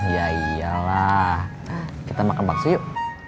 ya iyalah kita makan bakso yuk